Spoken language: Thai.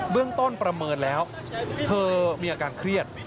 เรื่องต้นประเมินแล้วเธอมีอาการเครียด